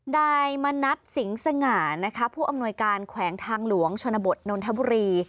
นายมณัฐสิงสง่านะคะผู้อำนวยการแขวงทางหลวงชนบทนนทบุรี